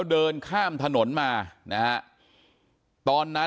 ก็ได้รู้สึกว่ามันกลายเป้าหมาย